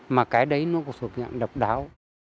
mà cái đấy nó có thuộc nhạc độc đáo